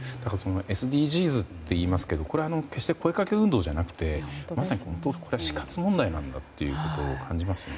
ＳＤＧｓといいますけど決して声掛け運動じゃなくてまさに死活問題なんだということを感じますね。